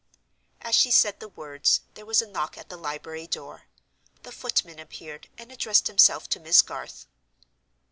As she said the words, there was a knock at the library door. The footman appeared, and addressed himself to Miss Garth.